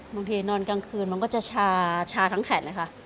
นอนกลางคืนมันก็จะชาทั้งแขนเลยค่ะ